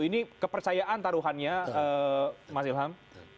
ini kepercayaan taruhannya mas ilham